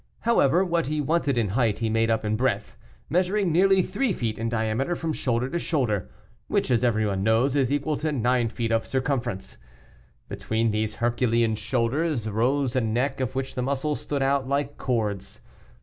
However, what he wanted in height, he made up in breadth, measuring nearly three feet in diameter from shoulder to shoulder, which, as everyone knows, is equal to nine feet of circumference. Between these Herculean shoulders rose a neck of which the muscles stood out like cords.